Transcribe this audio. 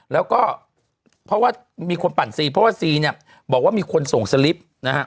แล้วก็เพราะว่ามีคนปั่นซีเพราะว่าซีเนี่ยบอกว่ามีคนส่งสลิปนะฮะ